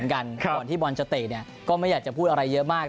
ก่อนที่บอลจะเตะเนี่ยก็ไม่อยากจะพูดอะไรเยอะมาก